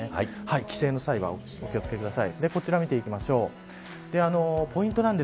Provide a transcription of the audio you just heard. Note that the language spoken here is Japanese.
帰省の際はお気を付けください。